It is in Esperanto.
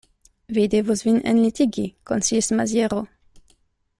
Vi devus vin enlitigi, konsilis Maziero.